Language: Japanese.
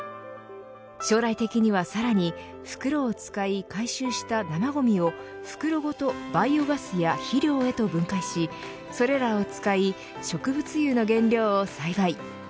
将来的にはさらに袋を使い回収したゴミを袋ごとバイオマスや肥料へと分解し、それらを使い植物油の原料を栽培。